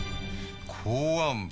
公安部？